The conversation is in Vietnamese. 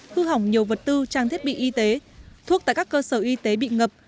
hư hỏng nhiều vật tư trang thiết bị y tế thuốc tại các cơ sở y tế bị ngập